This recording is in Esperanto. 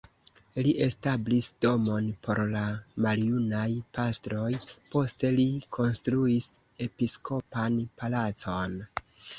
Li establis domon por la maljunaj pastroj, poste li konstruis episkopan palacon.